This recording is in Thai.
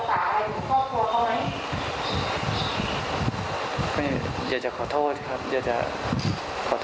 แล้วทำคนเดียวหรือเปล่าคะ